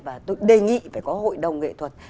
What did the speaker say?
và tôi đề nghị phải có hội đồng nghệ thuật